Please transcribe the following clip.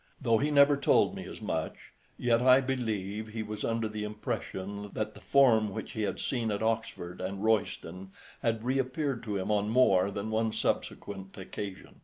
Though he never told me as much, yet I believe he was under the impression that the form which he had seen at Oxford and Royston had reappeared to him on more than one subsequent occasion.